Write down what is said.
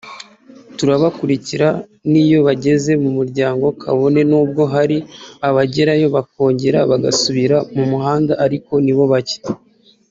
turabakurikira n’iyo bageze mu miryango kabone n’ubwo hari abagerayo bakongera bagasubira mu muhanda ariko ni bacye”